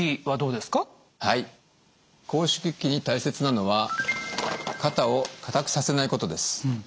はい拘縮期に大切なのは肩を硬くさせないことです。